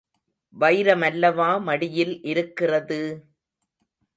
வைரமல்லவா மடியில் இருக்கிறது!